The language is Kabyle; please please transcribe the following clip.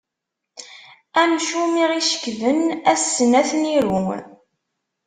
Amcum i ɣ-icekben ass-n ad ten-iru.